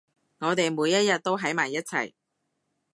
我哋每一日都喺埋一齊